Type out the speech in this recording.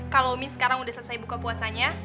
kalau mie sekarang udah selesai buka puasanya